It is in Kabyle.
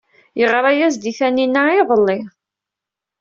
Yeɣra-as i Taninna iḍelli.